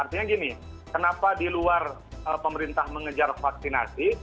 artinya gini kenapa di luar pemerintah mengejar vaksinasi